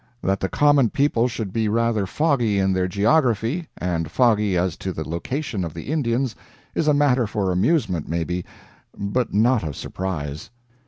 That the common people should be rather foggy in their geography, and foggy as to the location of the Indians, is a matter for amusement, maybe, but not of surprise.